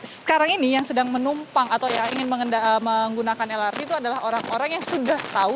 sekarang ini yang sedang menumpang atau yang ingin menggunakan lrt itu adalah orang orang yang sudah tahu